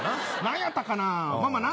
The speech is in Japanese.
何やったかなぁ？